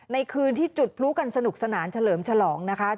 ในคืนที่จุดพลุกันสนุกสนานเฉลิมฉลองนะคะ